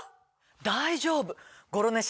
大丈夫。